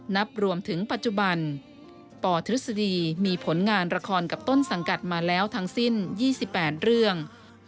นับรวมถึงปัจจุบันปธฤษฎีมีผลงานละครกับต้นสังกัดมาแล้วทั้งสิ้น๒๘เรื่อง